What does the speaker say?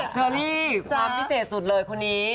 เชอรี่ความพิเศษสุดเลยคนนี้